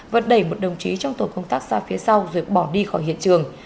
vật đẩy một đồng chí trong tổ công tác xa phía sau rồi bỏ đi khỏi hiện trường